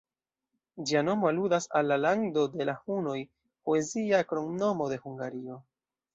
Ĝia nomo aludas al la ""Lando de la Hunoj"", poezia kromnomo de Hungario.